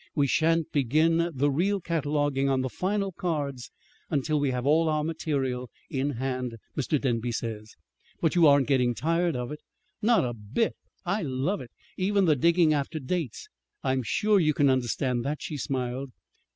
We shan't begin the real cataloguing on the final cards until we have all our material in hand, Mr. Denby says." "But you aren't getting tired of it?" "Not a bit! I love it even the digging after dates. I'm sure you can understand that," she smiled.